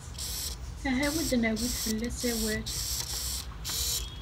Aha-w ad d-nawit fell-as awal.